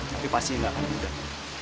tapi pasti nggak akan mudah